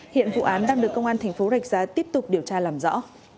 hiện vụ án đang được công an thành phố rạch giá tiếp tục điều tra làm rõ